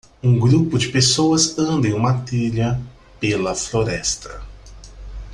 Um grupo de pessoas anda em uma trilha pela floresta.